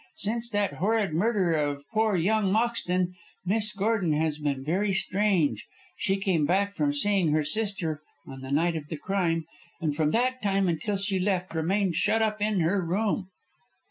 Since that horrid murder of poor young Moxton, Miss Gordon has been very strange. She came back from seeing her sister on the night of the crime, and from that time until she left, remained shut up in her room."